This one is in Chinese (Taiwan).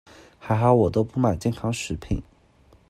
還好我都不買健康食品